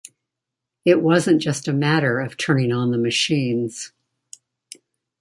It wasn't just a matter of turning on the machines.